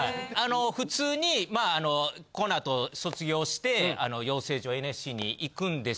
普通にこのあと卒業して養成所ＮＳＣに行くんですけど。